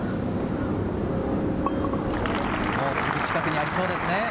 それはすぐ近くにありそうですね。